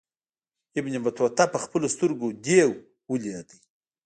ابن بطوطه پخپلو سترګو دېو ولید.